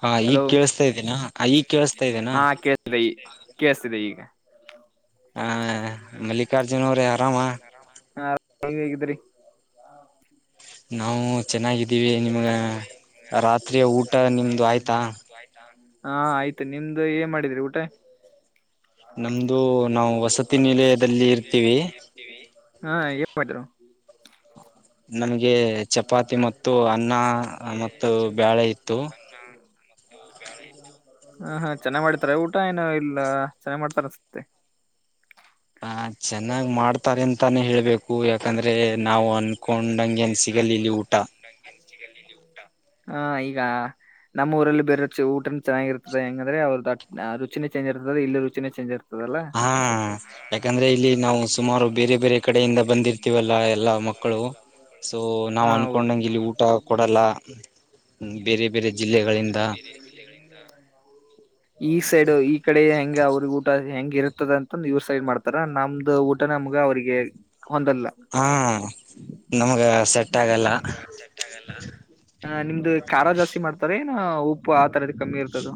ಹಾ ಹಲೋ ಈಗ್ ಕೇಳಸ್ತಾಯಿದೀನಾ ಈಗ ಕೇಳಸ್ತಾಯಿದೇನಾ ಹಾ ಕೇಳಿಸ್ತಿದ್ದೆ ಈಗ. ಹಾ [unintelligible] ನಾವು ಚೆನ್ನಾಗಿದ್ದೀವಿ ನಿಮ್ಗ ರಾತ್ರಿಯ ಊಟ ನಿಮ್ದು ಆಯ್ತಾ. ಹಾ ಆಯ್ತು ನಿಮ್ದು ಏನ್ ಮಾಡಿರೀ ಊಟ. ನಮ್ದು ನಾವು ವಸತಿ ನಿಲಯದಲ್ಲಿ ಇರ್ತೀವಿ. ಹಾ ಏನ್ ಮಾಡಿ. ನನಗೆ. ನನಗೆ ಮತ್ತು ಚಪಾತಿ ಬ್ಯಾಳೆ ಇತ್ತು ಮತ್ತು ಅನ್ನ. ಹಾ ಹಾ ಚೆನ್ನಾಗ್ ಮಾಡ್ತಾರೆ ಊಟ ಏನು ಇಲ್ಲ ಚೆನ್ನಾಗ್ ಮಾಡ್ತಾರ ಅನ್ಸುತ್ತೆ. ಹಾ ಚೆನ್ನಾಗ್ ಮಾಡ್. ತಾರೆ ಅಂತಾನೇ ಹೇಳ್ಬೇಕು ಯಾಕಂದ್ರೆ ನಾವು ಅನ್ಕೊಂಡಂಗಗೆ ಏನ್ ಸಿಗಲಿ ಇಲ್ಲಿ ಊಟ. ಹಾ ಈಗ. ನಮ್ಮ ಊರಲ್ಲಿ ಬೇರೆರು ಊಟನ ಚೆನ್ನಾಗಿರ್ತದೆ ಹೆಂಗಂದ್ರೆ ಅವ್ರದ ರುಚಿನೇ ಚೇಂಜ್ ಇರ್ತದ ಇಲ್ಲಿ ರುಚಿನೇ ಚೇಂಜ್ ಇರ್ತದಲ್ಲ ಹಾ ಯಾಕಂದ್ರೆ ಇಲ್ಲಿ ನಾವು ಸುಮಾರು. ಬೇರೆ ಬೇರೆ ಕಡೆಯಿಂದ ಬಂದಿರ್ತೀವಲ್ಲ ಎಲ್ಲಾ ಮಕ್ಕಳು ಸೊ ನಾವು ಹಾ ಹೌದು ಅನ್ಕೊಂಡಂಗ ಇಲ್ಲಿ ಊಟ. ಕೊಡಲ್ಲ ಬೇರೆ ಬೇರೆ ಜಿಲ್ಲೆಗಳಿಂದ. [unintelligible] [inaudible] ಈ ಸೈಡ್ ಈಕಡೆ ಹೆಂಗ ಅವ್ರಿಗೆ ಊಟ ಹೆಂಗ ಇರ್ತದ ಅಂತಂದು ಇವ್ ಸೈಡ್ ಮಾಡ್ತಾರ ನಮ್ದು ಊಟ. ನಮಗ ಅವರಿಗೆ ಹೊಂದಲ್ಲ. ಹಾ ನಮ್ಗ ಸೆಟ್ ಆಗಲ್ಲ. ನಿಮ್ದು ಖಾರ ಜಾಸ್ತಿ ಮಾಡ್ತಾರೆನು ಉಪ್ಪು ಆ ತರದ ಕಮ್ಮಿ ಇರ್ತದ.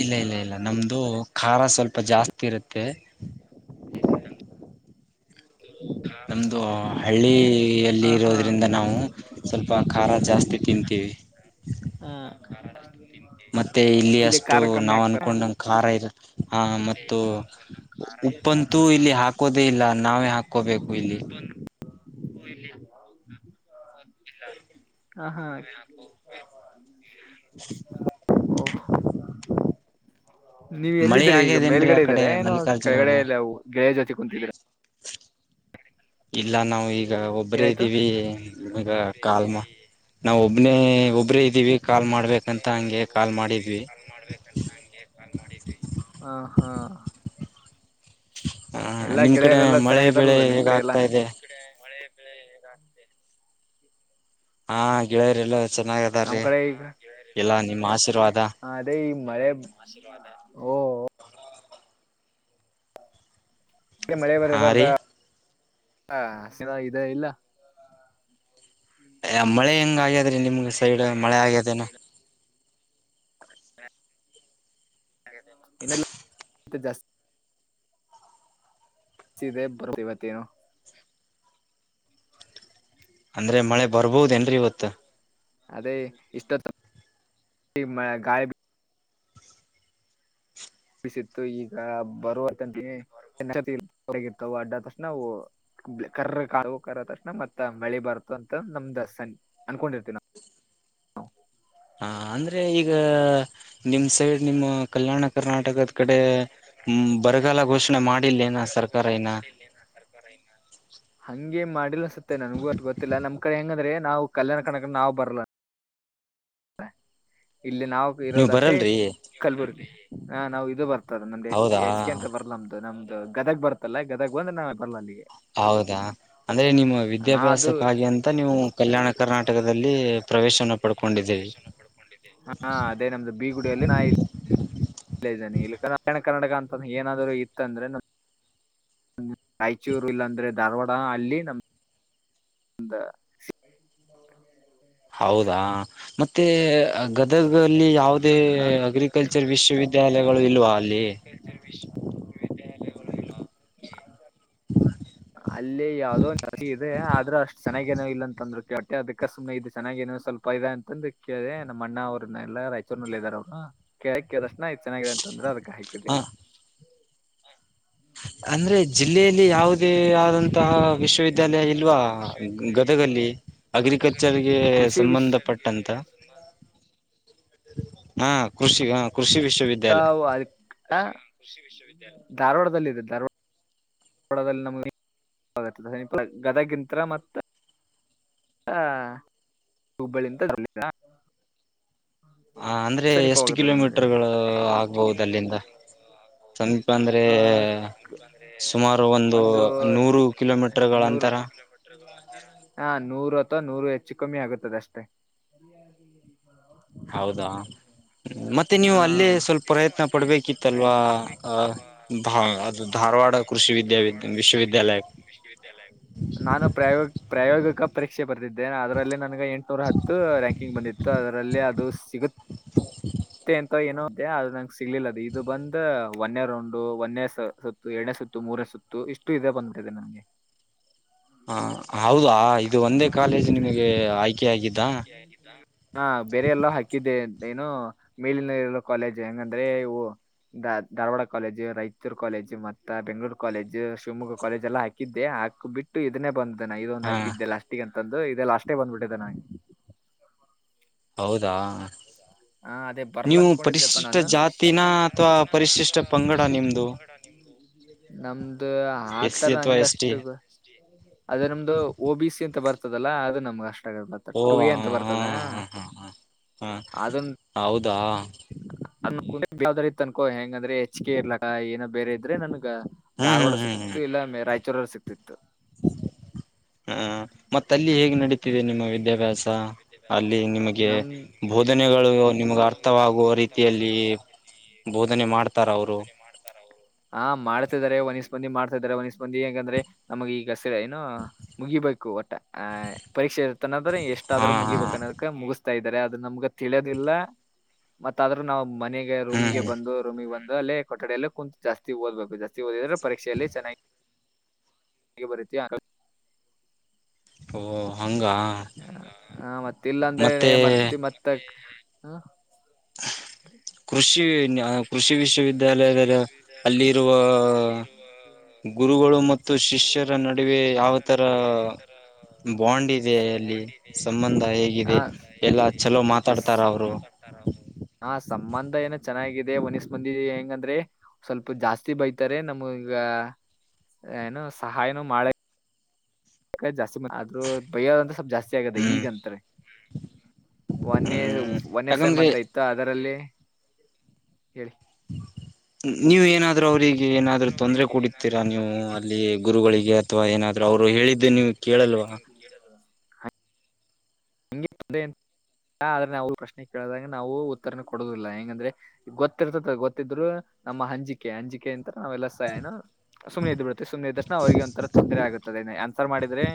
ಇಲ್ಲ ಇಲ್ಲ ಇಲ್ಲ ನಮ್ದು ಖಾರ ಸ್ವಲ್ಪ ಜಾಸ್ತಿ ಇರುತ್ತೆ. [unintelligible] ಹ್ಮ್ ನಮ್ದು ಹಳ್ಳಿಯಲ್ಲಿ ಹಾ ಇರೋದ್ರಿಂದ ನಾವು. ಸ್ವಲ್ಪ ಖಾರ ಜಾಸ್ತಿ ತಿಂತೀವಿ. ಹ್ಮ್ ಮತ್ತೆ ಇಲ್ಲಿ ಅಷ್ಟು ನಾವ್ ಆಗ್ತಾರ ಅನ್ಕೊಂಡಂದ ಖಾರ ಇರುತ್ತೆ. ಹಾ ಮ ಉಪ್ಪಂತೂ ಇಲ್ಲಿ ಹಾಕೋದೇ ಇಲ್ಲ ನಾವೇ ಹಾಕ. ಹಾಕೋಬೇಕು ಇಲ್ಲಿ. [unintelligible] ನೀವ್ ಮಳಿ ಎಲ್ಲಿದ್ದ್ರರಿ ಈಗ ಆಗ್ಯದೇನ್ರೀ ಆ ಮೇಲ್ಗಡೆ ಕಡೆ ಇದ್ದಾರೆ ಏನೋ ಮಲ್ಲಿಕಾರ್ಜುನ ಕೆಳಗಡೆ ಅವ್ರೆ ಎಲ್ಲ ಗೆಳೆಯ ಜೊತೆ ಕುೂಂತಿದೀರ. [unintelligible] ಇಲ್ಲ ನಾವು ಈಗ ಒಬ್ಬರೇ ಏನಾಯ್ತು ಇದ್ದೀವಿ ನಿಮಗ ಕಾಲ್ ನಾವು ಒಬ್ಬರೇ ಒಬರೇ ಇದ್ದೀವಿ ಕಾಲ್ ಮಾಡ್ಬೇಕಂತ ಹಂಗೆ ಕಾಲ್ ಮಾಡಿದ್ವಿ. ಹಾ ಹಾ. ಹ ಎಲ್ಲಾ ನಿಮ್ ಕಡೆ ಗೆಳೆಯರೆಲ್ಲಾ ಮಳೆ ಬೆಳೆ ಚೆನ್ನಾಗಿದಾರಲ್ಲ ನಿಮ್ ಹೇಗಾಗ್ತಾಯಿದೆ. ಕಡೆ ಮಳೆ ಬೆಳೆ. ಹಾ ಗೆಳೆಯರಿ ಎಲ್ಲ ನಮ್ ಚೆನ್ನಾಗ್ದಾರ್ರೀ ಕಡೆ ಎಲ್ಲಾ ನಿಮ್ಮ ಆಶೀರ್ವಾದ. ಹ ಅದೇ ಈ ಮಳೆ ಓ. ಮಳೆ ಹಾ ರೀ ಬರ್ಬಾರ [unintelligible] ಇದೆ ಇಲ್ಲ. ಮಳೆ ಹೆಂಗ ಆಗ್ಯಾದ್ರೀ ನಿಮ್ಗೆ ಸೈಡ್ ಮಳೆ ಆಗ್ಯದೇನ. [unintelligible] ಇನ್ನ ಜಾಸ್ತಿ. [unintelligible] ಬರುತ್ತ ಇವತ್ತೇನು. ಅಂದ್ರೆ ಮಳೆ ಬರ್ಬೋದ ಏನ್ರರಿ ಇವತ್ತು. ಅದೇ ಇಷ್ಟೊ [unintelligible] ಗಾಳಿ ಬಿಸಿತ್ತು ಈಗ ಬರುವಂತಗಿರ್ತ [inaudible] ಅಡ್ಡ ತಕ್ಷಣಾವು. ಕರ್ರ ಕಾಕರ ತಕ್ಷಣ ಮತ್ತ ಬೆಳೆ ಬರ್ತು ಅಂತ ನಮ್ದ ಅನ್ಕೊಂಡಿರ್ತವಿ ನಾವು. ಹಾ ಅಂದ್ರೆ ಈಗ. ನಿಮ್ ಅಂದ್ರೆ ಸೈಡ್ ಈಗ ನಿಮ್ಮ ಕಲ್ಯಾಣ ನಿಮ್ ಸೈಡ್ ಕರ್ನಾಟಕದ ನಿಮ್ಮ ಕಡೆ ಕಲ್ಯಾಣ ನಿಮ್ ಕರ್ನಾಟಕದ ಕಡೆ ಬರಗಾಲ ಘೋಷಣೆ ಮಾಡಿಲ್ಲೇನ ಬರಲ್ಲ ಸರ್. ಘೋಷಣೆ ಮಾಡಿಲ್ಲೇನ್ ಸರ್ಕಾರ ಇನ್ನ ಹಂಗೆ ಮಾಡಿಲ್ಲ ಅನ್ ಸತ್ತೆ ನನ್ಗೂ ಅಟ್ ಗೊತ್ತಿಲ್ಲಾ ನಮ್ಮ ಕಡೆ ಏನಂದ್ರೆ [unintelligible] ನಾವು ಬರಲ್ಲ ಇಲ್ಲಿ ನಾವ ನೀವ್ ಇರೋದಟ್ಟೆ ಬರಲ್ರಿ ಕಲ್ಬುರ್ಗಿ ಹ ನಾವು ಇದು ಬರ್ತವಿ [unintelligible] ಬರ್ದ ನಮ್ದು ಹೌದಾ ಹೆಚ್ ಕೆ ಅಂತ ಬರ್ಲ ನಮ್ದು ನಮ್ದು ಗದಗ್ ಬರ್ತ್ತಲ್ಲ ಗದಗ್ ಬಂದ್ರೆ ನಾವೇ ಬರ್ಲ ಅಲ್ಲಿಗೆ ಹೌದಾ ಅಂದ್ರೆ ನಿಮ್ಮ ನಾ ಅದು ವಿದ್ಯಾಭ್ಯಾಸಕ್ಕಾಗಿ ಅಂತ ನೀವು ವಿದ್ಯಾಭ್ಯಾಸ ಮಾಡಿ ಕಲ್ಯಾಣ ಅಂತ ನೀವು ಕರ್ನಾಟಕದಲ್ಲಿ ಕಲ್ಯಾಣ ಪ್ರವೇಶವನ್ನ ಕರ್ನಾಟಕದಲ್ಲಿ ಪಡ್ಕೊಂಡಿದ್ದೀರಿ ಪ್ರವೇಶವನ್ನು ಪಡ್ಕೊಂಡಿದ್ದೀವಿ ಹಾ ಅದೇ ನಮ್ದು ಬೀಗುಡಿಯಲ್ಲಿ ನಾ ಇ ಇಲ್ಲ ಇದಾನೆ ಇಲ್ಲಿ ಕಲ್ಯಾಣ ಕರ್ನಾಟಕ ಗ ಅಂತ ಏನಾದ್ರು ಇತ್ತ ಅಂದ್ರೆ ಹ್ಮ ರಾಯಚೂರು ಇಲ್ಲಾಂದ್ರೆ ಧಾರವಾಡ ಅಲ್ಲಿ ನಮ [unintelligible] ಹೌದಾ ಮತೇ ಆ ಗದಗ ಅಲ್ಲಿ ಹೌದಾ ಯಾವುದೇ ಅಗ್ರಿಕಲ್ಚರ್ ಗದಗಲ್ಲಿ ಯಾವುದೇ ವಿಶ್ವವಿದ್ಯಾಲಯಗಳು ಇಲ್ವಾ ಅಲ್ಲಿ [unintelligible] ಇಲ್ಲ [unintelligible] ಅಲ್ಲಿ ಯಾವುದೋ ಒಂದು ಇದೆ ಆದ್ರೂ ಅಷ್ಟ್ ಚೆನ್ನಾಗ ನೋ ಇಲ್ಲ ಅಂತ ಅಂದ್ರು ಕೆಟ್ಟೆ ಕ್ಕಾ ಸುಮ್ನೆ ಇದು ಚೆನ್ನಾಗ ಏನೋ ಸ್ವಲ್ಪ ಮೈದಾ ಅಂತಂದ ಕೇಳಿದೆ ನಮ್ಮ ಅಣ್ಣ ಅವ್ರನ್ನ ಎಲ್ಲಾ ರಾಯಚೂರಿನಲ್ಲಿ ಇದಾರ ಅವ್ರು ಕೇಳಕ ತಕ್ಷಣ ಇ ಚೆನ್ನಾಗಿದೆ ಅಂತ ಅಂದ್ರು ಅದಕ್ಕೆ ಹಾಕಿದೆ ಹ ಅಂದ್ರೆ ಜಿಲ್ಲೆಯಲ್ಲಿ ಯಾವುದೇ ಅಂದ್ರೆ ಆದಂತಹ ಜಿಲ್ಲೆಯಲ್ಲಿ ಯಾವುದೇ ವಿಶ್ವವಿದ್ಯಾಲಯ ಆದಂತಹ ಇಲ್ವಾ ವಿಶ್ವವಿದ್ಯಾಲಯ ಇಲ್ಲ ಗದಗಲ್ಲಿ ಅಗ್ರಿಕಲ್ಚರ್ ಗದಗಲ್ಲಿ ಗೆ ಕೃಷಿ ವಿಶ್ ಗೆ ಸಂಬಂಧಪಟ್ಟಂತ ಸುಮಾರು ಹಾ ಕೃಷಿ ಹ ಕೃಷಿ ವಿಶ್ವವಿದ್ಯಾಲಯ ತಾವು ಕೃಷಿ ವಿಶ್ವವಿದ್ಯಾಲಯ ಧಾರವಾಡದಲ್ಲಿದೆ ಧಾರವಾಡ [unintelligible] ಲ್ಲಿ ನಮಗೆ ಗದಗಿಂತ್ರ ಮತ ಹ ಹುಬ್ಬಳ್ಳಿಯಿಂದ [unintelligible] ಹಾ ಅಂದ್ರೆ ಎಷ್ಟು ಸಮೀಪವಾಗುತ್ತದೆ ಕಿಲೋಮೀಟರ್ ನಮಗಲ್ಲಿ ಗಳ ಆಗಬಹುದು ಅಲ್ಲಿಂದ ಸಮೀಪ ಅಂದ್ರೆ ಆ ಸುಮಾರು ಒಂದು ನೂರು ಸುಮಾರು ಒಂದು ಕಿಲೋಮೀಟರ್ ಗಳ ನೂರು ಅಂತರ ಕಿಲೋಮೀಟರ್ಗಳ ಹಾ ನೂರು ಅಥವಾ ನೂರು ಹೆಚ್ಚು ಕಮ್ಮಿ ಆಗುತ್ತದ ಅಷ್ಟೆ [inaudible] ಹೌದಾ ಮತ್ತೆ ಹ ನೀವು ಅಲ್ಲೇ ಸ್ವಲ್ಪ ಮತ್ತೆ ನೀವು ಪ್ರಯತ್ನ ಅಲ್ಲೇ ಸ್ವಲ್ಪ ಪಡ್ಬೇಕಿತ್ತಲ್ವಾ ಪ್ರಯತ್ನ ಅ ಪಡ್ಬೇಕಿತ್ತಲ್ವಾ ಭಾ ಅದು ಧಾರವಾಡ [unintelligible] ಕೃಷಿ ವಿದ್ಯಾವಿ ಧಾರವಾಡ ಕೃಷಿ ವಿದ್ಯಾಲಯ ವಿಶ್ವವಿದ್ಯಾಲಯ ಕೃಷಿ ವಿಶ್ವವಿದ್ಯಾಲಯ ನಾನು ಪ್ರಾಯೋ ಪ್ರಾಯೋಗಿಕ ಪರೀಕ್ಷೆ ಬರ್ದಿದ್ದೇ ಅದರಲ್ಲಿ ನನಗೆ ಎಂಟ್ನೂರ ಹತ್ತು ರಾಂಕಿಂಗ್ ಬಂದಿತ್ತು ಅದರಲ್ಲಿ ಅದು ಸಿಗುತ್ತೆ [inaudible] ಮೆ ಅಂತ ಏನೋ ಅದು ನಂಗೆ ಸಿಗಲ್ಲ ಇದು ಬಂದು ಒಂನೇ ರೌಂಡು ಒಂನೇ ಸುತ್ತು ಎರಡನೇ ಸುತ್ತು ಮೂರನೇ ಸುತ್ತು ಇಷ್ಟು ಇದೆ ಬಂದಬಿಟಿದ ನಂಗೆ ಹಾ ಹೌದಾ ಇದು ಒಂದೇ ಕಾಲೇಜ್ ನಿಮಗೆ ಆಯ್ಕೆ ಆಗಿದ್ದಾ ಬೇಕಿತ್ತಾ ಹಾ ಬೇರೆ ಎಲ್ಲಾ ಹಾಕಿದ್ದೆ ಅಂತೆ ಏನೂ ಮೇಲಿನಲ್ಲಿರುವ ಕಾಲೇಜ್ ಹೆಂಗಂದ್ರೆ ಇವು ದ ಧಾರವಾಡ ಕಾಲೇಜು ರೈಚುರ್ ಕಾಲೇಜು, ಮತ್ತ ಬೆಂಗಳೂರು ಕಾಲೇಜು, ಶಿವಮೊಗ್ಗ ಕಾಲೇಜ್, ಎಲ್ಲಾ ಹಾ ದ್ದೆ ಹಾಕ್ ಬಿಟ್ಟು ಇದನ್ನೇ ಬಂದಿದೆ ಅಣ್ಣಾ ಇದೊಂದು ಹಾ ಹಾಕಿದ್ದೆಲ್ಲ ಲಾಷ್ಟಿಗೆ ಅಂತಂದು ಇದೆಲ್ಲ ಲಾಷ್ಟೇ ಬಂದ್ಬಿಟ್ಟಿದೆೆ ಅಣ್ಣಾ ಹೌದಾ ಹಾ ಅದೇ ಬರ್ಲ ನೀವು ಅನ್ಕೊಂಡಿದ್ದಪ್ಪಾ ಪರಿಶಿಷ್ಟ ನಾನು ಜಾತಿನ ಅಥವಾ ಜಾತಿನ ಪರಿಶಿಷ್ಟ ಅಥವಾ ಪಂಗಡ ಪರಿಶಿಷ್ಟ ನಿಮ್ದು ಪಂಗಡ ನಿಮ್ದು ನಮ್ದು ಎಸ್ ಸಿ ಆತರ ಅಥವಾ ಎಸ್ ಟಿ ಹಂಗಷ್ಟು [unintelligible] ಅದೇ ನಮ್ದು ಓ ಬಿ ಸಿ ಅಂತ ಬರ್ತದಲ್ಲಾ ಅದು ನಮ್ಗ್ ಅಷ್ಟ ಆಗ ಓ ಟು ಎ ಹ ಅಂತ ಬರ್ತದ. ಹ ಹ [unintelligible] ಹ. ಹ [unintelligible] ಆದು. [unintelligible] ಹೌದಾ? [unintelligible] ಅನ ಯಾವದರ ಇತ್ತ ಅನ್ಕೋ ಹೆಂಗಂದ್ರೆ ಹೆಚ್ ಕೆ ಇರ್ಲಕ್ಕ ಏನ ಬೇರೆ ಇದರೆ ನನಗ [unintelligible] ಹ್ಮ್ ಧಾರವಾಡ ಹ್ಮ್ ಹ್ಮ್ ಹ್ಮ್ ಸಿಕ್ತಿತ್ತು ಇಲ್ಲ ಮೇ ರಾಯಚೂರಲ್ಲಿ ಸಿಕ್ತಿತ್ತು. [unintelligible] ಹ ಮತ್ತ ಅಲ್ಲಿ ಹೇಗೆ? [unintelligible] ನಡಿತಿದೆ ನಿಮ್ಮ ವಿದ್ಯಾಅಭ್ಯಾಸ ಅಲ್ಲಿ ನಿಮಗೆ ನಮ ಬೋಧನೆಗಳು ನಿಮಗ ಅರ್ಥವಾಗುವ ರೀತಿ [unintelligible] ಅರ್ಥವಾಗುವ ರೀತಿಯಲ್ಲಿ ಮಾಡ್ತಾರ ಅವರು ಬೋಧನೆ ಮಾಡ್ತಾರ ಅವರು. [inaudible] [unintelligible] ಹಾ ಮಾಡ್ತಿದಾರೆ ಒಂದ್ ಇಸ್ಟ ಮಂದಿ ಮಾಡ್ತಿದಾರೆ ಒಂದಿಸ್ ಮಂದಿ ಹೇಗ್ ಅಂದರೆ ನಮಗ ಈಗ ಗಸರ ಏನು? [inaudible] [unintelligible] ಮುಗಿಬೇಕು ಒಟ್ಟ ಆ [unintelligible] ಪರೀಕ್ಷೆ ಇರ್ತನಂದ್ರೆ ಎಷ್ಟ ಹಾ ಆದ್ರು ಹಾ ಮುಗಿಬೇಕ ಅನ್ನೋದಕ ಮುಗಿಸ್ತಾ ಇದ್ದಾರೆ ಅದು ನಮಗ ತಿಳಿಯೋದಿಲ್ಲ. [unintelligible] ಮತ್ತ ಆದ್ರೂ ನಾವು ಮನೆಗೆ ಹ್ಮ್ ರೂಮಿಗೆ ಬಂದು ರೂಮಿಗೆ ಬಂದು ಅಲ್ಲೇ ಕೊಠಡಿಯಲ್ಲೇ [unintelligible] ಕುತ್ತ ಜಾಸ್ತಿ ಓದಬೇಕ ಜಾಸ್ತಿ ಓದಿದ್ರೆ ಪರೀಕ್ಷೆಯಲ್ಲಿ ಚೆನ್ನಾಗಿ ಬರೀತಿಯಾ? [inaudible] [unintelligible] ಓ ಹಂಗಾ? [unintelligible] ಅ ಮತ್ತ ಇಲ್ಲ ಅಂದ್ರೆ ಏ ಮಾಡ್ತಿ ಮತ್ತ ಹ [unintelligible] [inaudible] ಕೃಷಿ ನಾ ಕೃಷಿ ವಿಶ್ವವಿದ್ಯಾಲಯದಲ್ಲಿ ಅದರ ಅಲ್ಲಿ ಇರುವ [unintelligible] ಹ [unintelligible] ಗುರುಗಳು ಮತ್ತು ಶಿಷ್ಯರ ನಡುವೆ ಯಾವ ತರ ಬಾಂಡಿಂಗ್. [unintelligible] ಜೈ ಎಲ್ಲಿ ಸಂಬಂಧ ಹೇಗಿದೆ ಹ ಎಲ್ಲಾ ಚಲೋ ಮಾತಾಡ್ತಾರ ಅವರು. [unintelligible] ಹಾ ಸಂಬಂಧ ಏನ ಚೆನ್ನಾಗಿದೆ ಓನ್ ಇಸ ಮಂದಿ ಹೆಂಗಂದ್ರೆ? [unintelligible] ಸ್ವಲ್ಪ ಜಾಸ್ತಿ ಬೈತಾರೆ ನಮಗ ಏನೋ ಸಹಾಯನೂ ಮಾಡ [unintelligible] ನನ್ನ ಕಡೆ ಜಾಸ್ತಿ ಬಂದವ ಆದ್ರೂ ಭಯ ಅಂತ ಸ್ವಲ್ಪ್ ಜಾಸ್ತಿ ಆಗದ ಹ್ಮ್ ಈಗಂತ್ರ. [unintelligible] ಒನ್ನೇ ಹ್ಮ್ ಒನ್ನೇ ಸೇಮ್ ಯಾಕಂದ್ರೆ ಅಂತ ಇತ್ತ ಅದರಲ್ಲಿ ಹೇಳಿ. [unintelligible] ನೀವು ಏನಾದ್ರು ಅವರಿಗ್. [unintelligible] ಏನಾದ್ರೂ ತೊಂದರೆ ಅವರಿಗೆ ಏನಾದ್ರು ಕೊಡತೀರಾ ನೀವು ತೊಂದರೆ ಅಲ್ಲಿ ಕೊಡುತ್ತೀರಾ ನೀವು ಗುರುಗಳಿಗೆ ಅಥವಾ ಏನಾದ [unintelligible] ಅವರು ಹೇಳಿದ್ದೆ ನೀವು ಕೇಳಲ್ವಾ? [unintelligible] ಕೇಳಿ ಬಾಸ್. [unintelligible] ಹಗೆ ಆದ್ರ ನಾವು ಪ್ರಶ್ನೆ ಕೇಳಿದಾಗ ನಾವು ಉತ್ತರನ ಕೊಡುನವುದಿಲ್ಲ ಹೆಂಗಂದ್ರೆ. [unintelligible] ಗೊತ್ತಿರ್ತದ ಗೊತ್ತಿದ್ರು ನಮ್ಮ ಹಂಜಿಕೆ ಅಂಜಿಕೆ ಅಂತ ನಾವ್ ಎಲ್ಲಾ ಸಾಯೋನು? [unintelligible] [inaudible] ಸುಮ್ಮನೆ ಇದ್ದ ಬಿಡುತ್ತೆವೆ ಸುಮ್ಮನ ಇದ್ದಷ್ಟ. [unintelligible] [inaudible] ಅವ್ರರಿಗೆ ಒಂಥರ ತೊಂದರೆ ಆಗುತ್ತದೆ ಆನ್ಸರ್ ಮಾಡಿದ್ರೆ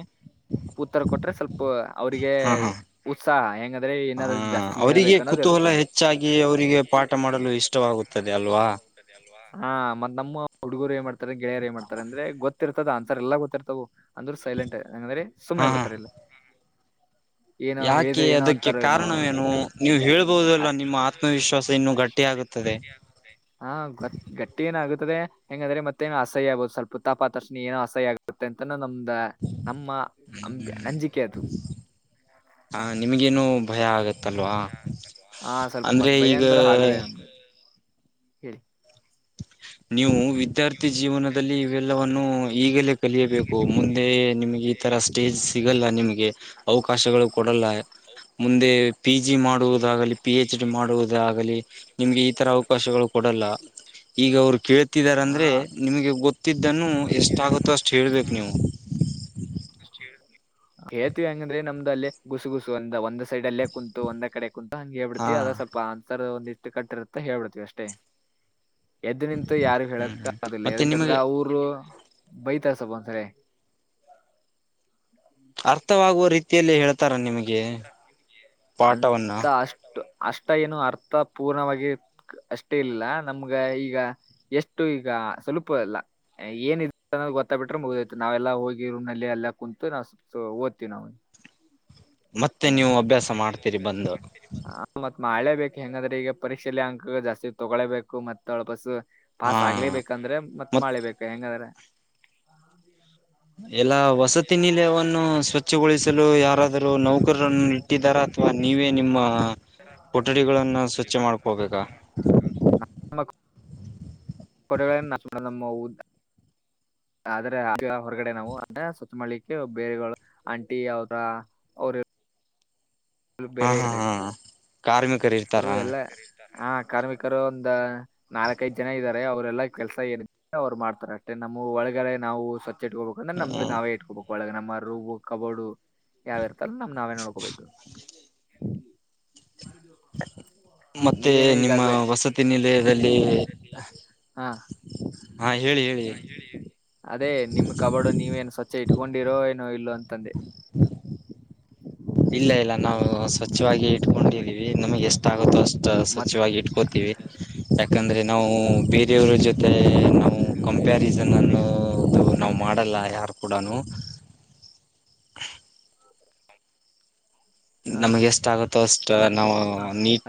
ಉತ್ತರ ಕೊಟ್ರೆ ಸ್ವಲ್ಪ ಅವ್ರಿಗೆ, ಹಾ [unintelligible] ಹಾ ಉತ್ಸಾಹ ಹೆಂಗಂದ್ರೆ ಹ ಏನಾದರೂ ಜಾಸ್ತಿ ಅವರಿಗೆ ಹೇಳ್ಬೇಕ ಅನ್ನೋದ್ ಇರ್ತ್ತ. ಕುತೂಹಲ ಹೆಚ್ಚಾಗಿ [inaudible] ಅವರಿಗೆ ಪಾಠ ಮಾಡಲು [unintelligible] ಇಷ್ಟವಾಗುತ್ತದೆ ಅಲ್ವಾ? [unintelligible] [inaudible] ಸರಿ ಅಲ್ಲಾ ಹಾ ಮತ್ತ ನಮ್ಮ ಹುಡುಗರು ಏನ್ ಮಾಡ್ತಾರೆ ಗೆಳೆಯರಿಗ ಏನ್ ಮಾಡ್ತಾರೆ ಅಂದ್ರೆ ಗೊತ್ತ. [unintelligible] ಗೊತ್ತ ಇರ್ತದ ಅನ್ಸಾರ್ ಎಲ್ಲಾ ಗೊತ್ತಿರ್ತವು ಅಂದರೂ ಸೈಲೆಂಟ್ ಹಂಗಂದ್ರೆ ಸುಮನೆ ಹಾ ಹಾ ಬಿಡ್ತಾರೆ ಎಲ್ಲಾ? [unintelligible] ಏನೋ ಯಾಕೆ ಹೇಳಿದ್ರೆ ಏನೋ ಅದಕ್ಕೆ ಅಂತಾರ ಏನೋ ಕಾರಣವೇನು ನೀವು ನಿಮ್ಮ ಹೇಳ್ಬಹುದಲ್ಲ ನಿಮ್ಮ ಆತ್ಮವಿಶ್ವಾಸ ಇನ್ನು ಗಟ್ಟಿ ಆತ್ಮವಿಶ್ವಾಸ [inaudible] [unintelligible] ಆಗುತ್ತದೆ ಗಂಟಿ ಗಣಪತಿ ಹಾ ಗೊತ್ತ. [unintelligible] ಗಟ್ಟಿ ಏನ ಅಗದರೆ ಹೆಂಗಂದ್ರೆ ಮತ್ತೇನು ಅಸಅಯ್ಯ ಆಗಬಹುದು ಸ್ವಲ್ಪ ತಪ್ಪ ಆದ ತಕ್ಷಣ ಏನೋ ಅಸಅಯ್ಯ ಆಗುತ್ತೆ ಅಂತನ ನಮ್ದ. [inaudible] [unintelligible] ನಮ್ಮ ಅಂಬಿ ನಂಜಿಕೆ ಅದು. [unintelligible] ಹಾ ನಿಮಗ ಏನು ಭಯ ಆಗತ್ತೆ. [unintelligible] ಯಾ ಹಾ ಸ್ವಲ್ಪ ಮತ್ತ ಭಯ ಈಗ ಅಂದ್ರ ಹಾಗಗೆಳೇ ಅಂದ ಹೇಳಿ. [inaudible] [unintelligible] ನೀವು? [unintelligible] ವಿದ್ಯಾರ್ಥಿ ಜೀವನದಲ್ಲಿ ಇವೆಲ್ಲವನ್ನು ಈಗಲೇ ಕಲಿಯಬೇಕು ಮುಂದೆ ನಿಮಗೆ. [unintelligible] ಈ ತರ ಸ್ಟೇಜ್ ಸಿಗಲ್ಲ ನಿಮಗೆ ಅವಕಾಶಗಳು ಕೊಡಲ್ಲಾ ಮುಂದೆ [unintelligible] ಪಿ ಜಿ ಮಾಡುವುದಾಗಲಿ ಪಿ ಹೆಚ್ ಡಿ ಮಾಡುವುದಾಗಲಿ ನಿಮ್ಗೆ ಈ ತರ ಅವಕಾಶಗಳು ಕೊಡಲ್ಲ. ಈಗ ಅವರು ಕೇಳ್ತಿದಾರೆ ಹಾ ಅಂದ್ರೆ ನಿಮಗೆ ಗೊತ್ತಿದ್ದನ್ನು ಎಷ್ಟು ಆಗುತ್ತೋ ಅಷ್ಟು ಹೇಳ್ಬೇಕು ನೀವು. ಕೇತು ಹೆಂಗಂದ್ರೆ ನಮ್ದು ಅಲ್ಲೇ ಗುಸುಗುಸು ಅಂದ ಒಂದೇ ಸೈಡ್ ಅಲ್ಲೇ ಕುಂತು ಒಂದೇ ಕಡೆ ಕುಂತ ಹಂಗೆ ಹಾ ಹೇಳ್ಬಿಡ್ತಿವಿ ಅದ ಸ್ವಲ್ಪ ಅಂತರ ಒಂದಿಷ್ಟು ಕಟ್ಟಿರತ್ತೆ ಹೇಳ್ಬಿಡ್ತಿವಿ ಅಷ್ಟೇ. ಎದ್ದು ನಿಂತು ಯಾರಿಗೂ ಹ್ಮ್ ಹೇಳಕ್ಕ ಹ್ಮ್ ಆಗದಿಲ್ಲ ಮತ್ತೆ ನಿಮಗೆ ಯಾಕಂದ್ರೆ ಅವರು ಬೈತಸಬ ಅಂತಾರೆ. ಅರ್ಥವಾಗುವ ರೀತಿಯಲ್ಲಿ ಹೇಳ್ತಾರ ನಿಮಗೆ ಪಾಠವನ್ನ. ಅಂತ ಅಷ್ಟ ಏನು ಅರ್ಥ ಪೂರ್ಣವಾಗಿ ಅಷ್ಟೇ ಇಲ್ಲ ನಮ್ಗ ಈಗ ಎಷ್ಟು ಈಗ ಸುಲುಪ ಇಲ್ಲ. ಏನ್ ಅದು ಗೊತ್ತ ಬಿಟ್ರೆ ಮುಗಿದಿಯತು ನಾವೆಲ್ಲ ಹೋಗಿ ರೂಮ್ ನಲ್ಲಿ ಎಲ್ಲಾ ಕುಂತು ನಾವು ಸೊ ಓದ್ತೀವಿ ನಾವು. ಮತ್ತೆ ನೀವು ಅಭ್ಯಾಸ ಮಾಡ್ತೀರಿ ಬಂದು. ಹ ಮತ್ ಮಾಡ್ಲೇಬೇಕು ಹೆಂಗಾದ್ರೆ ಈಗ ಪರೀಕ್ಷೆಯಲ್ಲಿ ಅಂಕು ಜಾಸ್ತಿ ತೊಗೊಳೇಬೇಕು ಮತ್ತ ಒಪಸೂ. ಹಾ ಪಾಸ್ ಆಗ್ಲೇಬೇಕಂದ್ರೆ ಮತ್ತ್ ಮತ್ ಮಾಡಲೇಬೇಕು ಹೆಂಗದ್ರೆ. ಎಲ್ಲಾ ವಸತಿ ನಿಲಯವನ್ನು ನಿಲಯವನ್ನು ಸ್ವಚ್ಛಗೊಳಿಸಲು ಯಾರಾದರೂ ಸ್ವಚ್ಛಗೊಳಿಸಲು ಯಾರಾದರೂ ನೌಕರನ್ನು ಇ ಟ್ಟಿದಾರ ನೌಕರರನ್ನು ಅಥವಾ ನೀವೇ ನಿಮ್ಮ ಇಟ್ಟಿದ್ದಾರೆ ಕೊಠಡಿಗಳನ್ನ ಸ್ವಚ್ಛ ಮಾಡ್ಕೋಬೇಕ. ನ [unintelligible] ಕೊಟಡೆಗಳನ್ನ ನಾ ನಮ್ಮ ಆದ್ರೆ ಹೊರಗಡೆ ನಾವು ಅಂದ ಸ್ವಚ್ ಮಾಡ್ಲಿಕ್ಕೆ ಬೇರೆ ಆಂಟಿ ಅವ್ರ ಅವರು ಇ ಹಾ ಹಾ ಹಾ ಕಾರ್ಮಿಕರು ಅವರು ಇರ್ತಾರಾ ಎಲ್ಲಾ ಹಾ ಕಾರ್ಮಿಕರು ಒಂದಾ ನಾಲ್ಕೈದ್ ಜನ ಇದ್ದಾರೆ ಅವರೆಲ್ಲ ಕೆಲಸ ಇರುತ್ತೆ ಅವರು ಮಾಡ್ತಾರೆ ಅಷ್ಟೆ ನಮ್ಮ ಒಳಗಡೆ ನಾವು ಸ್ವಾ ಟ್ಕೋಬೇಕು ನಮ್ದು ನಾವೇ ಇಟ್ಕೊಬೇಕು. ಒಳಗ ನಮ್ಮ ರೂಮೂ ಕಬೋಡು ಯಾವ ಇರ್ತಲ್ಲ ನಮ್ ನಾವೇ ನೋಡ್ಕೋಬೇಕು. ಅದು ಮತ್ತೆ ನಿಮ್ಮ ವಸತಿ ನಿಲಯದಲ್ಲಿ [unintelligible] ಹಾ ಹೇಳಿ ಹೇಳಿ ಅದೇ ನಿಮ್ ಕಬೊಡು ನೀವೇನು ಸ್ವಚ್ಛ ಇಟ್ಕೊಂಡಿರೋ ಏನೋ ಇಲ್ಲೋ ಅಂತಂದೆ. ಇಲ್ಲ ಇಲ್ಲ ನಾವು ಸ್ವಚ್ಛವಾಗಿ ಇಟ್ಕೊಂಡಿದ್ದೀವಿ ನಮ್ಗೆ ಎಷ್ಟು ಆಗುತ್ತೋ ಅಷ್ಟು ಸ್ವಚ್ ಮತ್ ಚವಾಗಿ ಇಟ್ಕೋತೀವಿ ಯಾಕಂದ್ರೆ ನಾವು ಬೇರೆಯವರ ಜೊತೆ ನಾವು ಕಂಪ್ಯಾರಿಸನ್ ಅನ್ನು ನಾವು ಮಾಡಲ್ಲ ಯಾರು ಕೂಡನೂ ನಮ್ಗೆ ಎಷ್ಟು ಆಗುತ್ತೋ ಅಷ್ಟು ನಾವು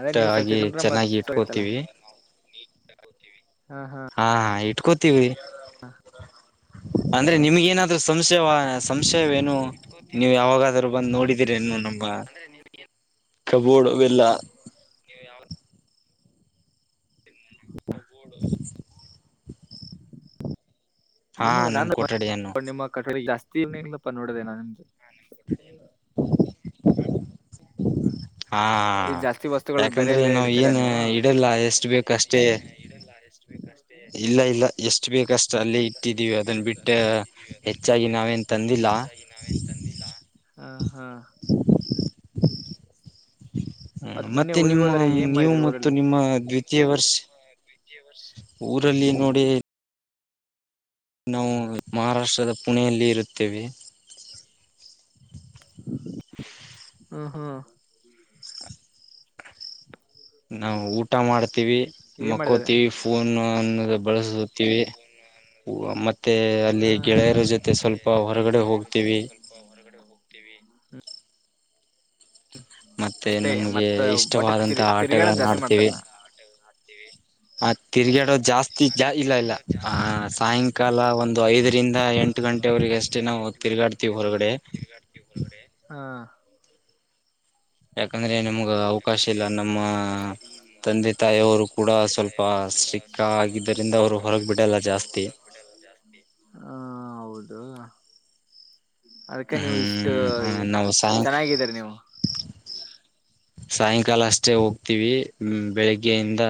ಅದೇ ನೀವು ಸ್ವಚ್ಛ ಆಗಿ ಇಟ್ಕೊಂಡ್ರೆ ಚೆನ್ನಾಗಿ ಇಟ್ಕೋತೀವಿ. ಹಾಕತ್ತಿವಿ ಹಾ ಹಾ ಹಾ ಹಾ ಇಟ್ಕೋತಿವಿ. ಅಂದ್ರೆ ನಿಮಗೆ ಏನಾದ್ರು ಸಂಶಯವ ಸಂಶಯವೇನು. ನೀವು ಯಾವಾಗಾದ್ರೂ ಬಂದು ನೋಡಿದೀರೇನ್ನೋ ನಮ್ಮ ಕಬೋಡೆಲ್ಲ. ನೀವು ಯಾವ ಡ ಹಾ ನಿಮ ನಮ್ ನಾನು ಕೊಠಡಿಯನ್ನು ಮತ್ತ್ ನಿಮ್ಮ ಕ ಜಾಸ್ತಿ [unintelligible] ನೋಡದೇ ನಾನು ಹಾ ಈ ಜಾಸ್ತಿ ವಸ್ತುಗಳು ಬೇರೆ ಯಾಕಂದ್ರೆ ಎಲ್ಲ ಇನ್ನು ಇಡ್ತೀರಾ ಏನ್ ನೀವು ಇಡಲ್ಲ ಎಷ್ಟು ಬೇಕು ಅಷ್ಟೇ. ಹ ಎಷ್ಟು ಬೇಕು ಅಷ್ಟೇ ಇಲ್ಲ ಇಲ್ಲ ಎಷ್ಟು ಬೇಕಷ್ಟು ಅಲ್ಲೇ ಇಟ್ಟಿದ್ದೀವಿ ಅದನ್ನ ಬಿಟ್ಟು ಹೆಚ್ಚಾಗಿ ನಾವೇನು ತಂದಿಲ್ಲ. ಇಲ್ಲ ಹಾ ಹಾ ಮತ್ ಹ್ಮ ಮೊನ್ನೆ ಮತ್ತೆ ಊರಿಗೆ ನಿಮ್ಮ ಹೋದರೆ ಏನ್ ನೀವು ಮಾಡಿದ್ರ ಮತ್ತು ಊರಲ್ಲಿ ನಿಮ್ಮ ದ್ವಿತೀಯ ವರ್ಷ. ಊರಲ್ಲಿ ನೋಡಿ. ನಾವು ಮಹಾರಾಷ್ಟ್ರದ ಪುಣೆಯಲ್ಲಿ ಇರುತ್ತೇವೆ. ಹ್ಮ್ ಹ್ಮ್ [inaudible] ನಾವು ಊಟ ಮಾಡ್ತೀವಿ. ಏನ್ ಮಾಡಿದಾರೆ ಮಕ್ಕೋತೀವಿ ಫೋನೇ ಬಳಸತೀವಿ ಮತ್ತೆ. ಮತ್ತ ಹ ಅಲ್ಲಿ ಹಾ ಗೆಳೆಯರ ಜೊತೆ ಸ್ವಲ್ಪ ಹೊರಗಡೆ ಹೋಗ್ತೀವಿ. ಹೊರಗಡೆ ಹೋಗ್ತೇವಿ. ಮತ್ತೆ ಅಷ್ಟೇ ನಮ್ಗೆ ಮತ್ತ ಇಷ್ಟವಾದಂತಹ ಆಟಗಳನ್ನ ಆಡ್ತೀವಿ. ಮಾಡ್ತೀವಿ. ಆ ತಿರ್ಗೇಟ ಜಾಸ್ತಿ. ಇಲ್ಲ ಇಲ್ಲ ಆ ಸಾಯಂಕಾಲ ಒಂದು ಐದರಿಂದ ಎಂಟು ಗಂಟೆವರೆಗ ಅಷ್ಟೇ ನಾವು ತಿರುಗಾಡ್ತೀವಿ ಹಾ ಯಾಕಂದ್ರೆ ನಿಮ್ಗ ಅವಕಾಶ ಇಲ್ಲ ನಮ್ಮ ತಂದೆ ತಾಯಿಯವರು ಕೂಡ ಸ್ವಲ್ಪ ಸ್ಟ್ರಿಕ್ಟ್. ಆಗಿದ್ದರಿಂದ ಅವರು ಹೊರಗೆ ಬಿಡಲ್ಲ ಜಾಸ್ತಿ. ಹಾ ಹೌದುಹೌದು. ಅದಕ್ಕೆ ನೀವು ಇಷ್ಟು ಹ್ಮ್ ನಾವು ಸಾಯಂ ಚೆನ್ನಾಗಿದರ ನೀವು. ಸಾಯಂಕಾಲ ಅಷ್ಟೇ ಹೋಗ್ತೀವಿ ಹ್ಮ್ ಬೆಳಿಗ್ಗೆಯಿಂದ